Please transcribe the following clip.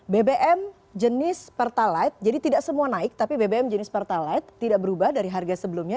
bbm jenis pertalite jadi tidak semua naik tapi bbm jenis pertalite tidak berubah dari harga sebelumnya